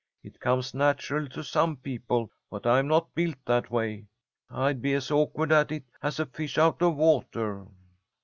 It comes natural to some people, but I'm not built that way. I'd be as awkward at it as a fish out of water."